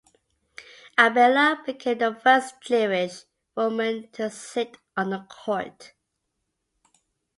Abella became the first Jewish woman to sit on the court.